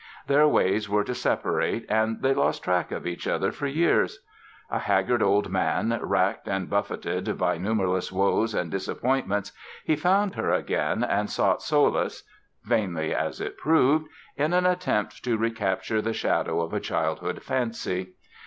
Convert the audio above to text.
Their ways were to separate and they lost track of each other for years. A haggard old man, wracked and buffeted by numberless woes and disappointments, he found her again and sought solace (vainly, as it proved) in an attempt to recapture the shadow of a childhood fancy.